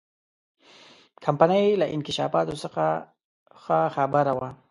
کمپنۍ له انکشافاتو څخه ښه خبره وه.